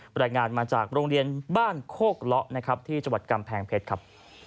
รายงานมาจากโรงเรียนบ้านโคกเลาะนะครับที่จังหวัดกำแพงเพชรครับ